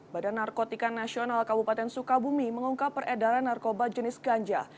badan narkotika nasional kabupaten sukabumi mengungkap peredaran narkoba jenis ganja